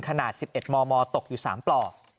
ขนาด๑๑มมตกอยู่๓ปลอก